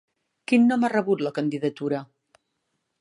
Quin nom ha rebut la candidatura?